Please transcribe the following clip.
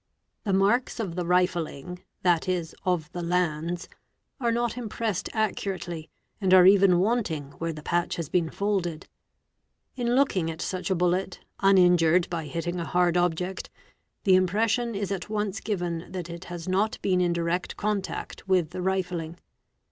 The marks of the rifling (7.e., of the '"'lands'') are not impressed accurately and al are even wanting where the patch has been folded; in looking at such | a bullet, uninjured by hitting a hard object, the impression is at once — given that it has not been in direct contact with the riflmg.